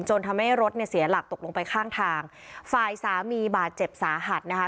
ทำให้รถเนี่ยเสียหลักตกลงไปข้างทางฝ่ายสามีบาดเจ็บสาหัสนะคะ